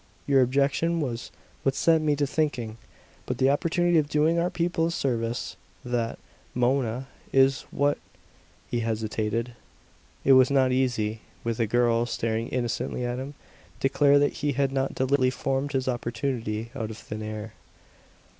Your objection was what set me to thinking; but the opportunity of doing our people a service that, Mona, is what " He hesitated; it was not easy, with the girl staring innocently at him, declare that he had not deliberately formed his opportunity out of thin air.